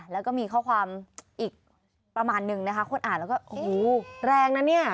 แล้วก็มีข้อความอีกประมาณนึงนะคะคนอ่านแล้วก็โอ้โหแรงนะเนี่ย